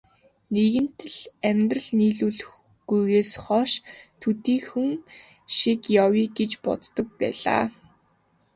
Нэгэнт л амьдрал нийлүүлэхгүйгээс хойш хол хөндийхөн шиг явъя гэж боддог байлаа.